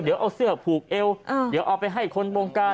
เดี๋ยวเอาเสื้อผูกเอวเดี๋ยวเอาไปให้คนวงการ